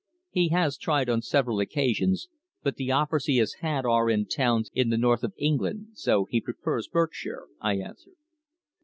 "He has tried on several occasions, but the offers he has had are in towns in the North of England, so he prefers Berkshire," I answered.